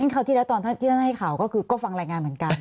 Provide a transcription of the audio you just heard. คราวที่แล้วตอนที่ท่านให้ข่าวก็คือก็ฟังรายงานเหมือนกัน